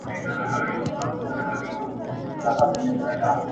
نه ذاهد نه روشنفکر نه په شیخ نور اعتبار دی.